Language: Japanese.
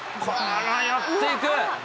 寄っていく。